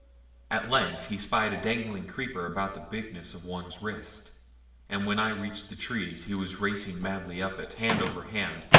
At length he spied a dangling creeper about the bigness of one's wrist, and when I reached the trees he was racing madly up it, hand over hand.